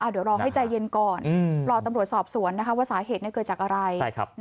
เดี๋ยวรอให้ใจเย็นก่อนรอตำรวจสอบสวนว่าสาเหตุเกิดจากอะไร